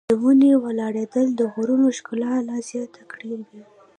د ونې ولاړېدل د غرونو ښکلا لا زیاته کړې وه.